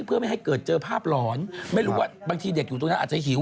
เพื่อไม่ให้เกิดเจอภาพหลอนไม่รู้ว่าบางทีเด็กอยู่ตรงนั้นอาจจะหิว